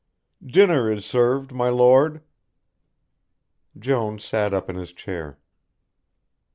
"Dinner is served, my Lord." Jones sat up in his chair.